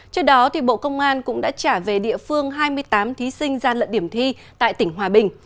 trước đó bộ công an cũng đã trả về địa phương hai mươi tám thí sinh gian lận điểm thi tại tỉnh hòa bình